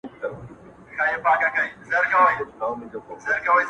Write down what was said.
يوه ورځ يو هلک پوښتنه کوي,